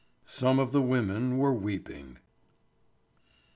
Some of the women were weeping.